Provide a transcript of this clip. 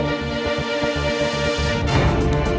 minggu ini tahu kalau nggak violent